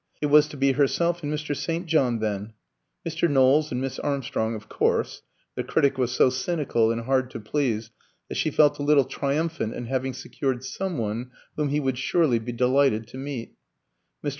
It was to be herself and Mr. St. John, then. Mr. Knowles and Miss Armstrong, of course: the critic was so cynical and hard to please that she felt a little triumphant in having secured some one whom he would surely be delighted to meet. Mr.